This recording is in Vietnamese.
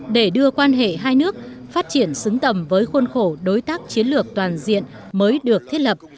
để đưa quan hệ hai nước phát triển xứng tầm với khuôn khổ đối tác chiến lược toàn diện mới được thiết lập